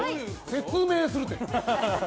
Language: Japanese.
説明するって！